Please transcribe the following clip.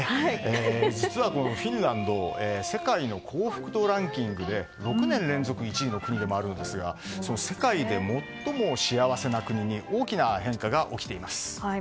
実はこのフィンランド世界の幸福度ランキングで６年連続１位の国でもあるんですが世界で最も幸せな国に大きな変化が起きています。